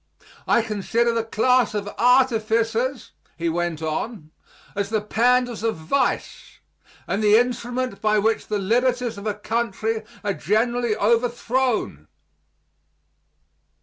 I consider the class of artificers," he went on, "as the panders of vice, and the instrument by which the liberties of a country are generally overthrown."